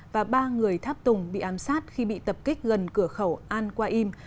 và ba người tháp tùng bị ám sát khi bị tập kích gần cửa khẩu al qaim